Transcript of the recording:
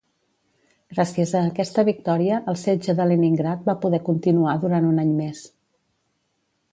Gràcies a aquesta victòria, el setge de Leningrad va poder continuar durant un any més.